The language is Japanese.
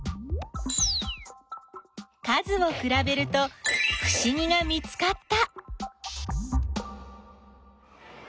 数をくらべるとふしぎが見つかった！